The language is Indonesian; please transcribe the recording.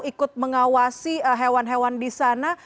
ikut mengawasi hewan hewan di sana